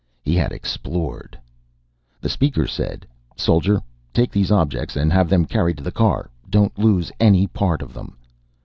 He had explored The Speaker said, "Soldier, take these objects and have them carried to the car. Don't lose any part of them."